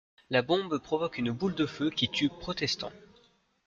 La bombe provoque une boule de feu qui tue protestants.